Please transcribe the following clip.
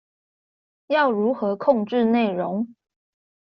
要如何控制内容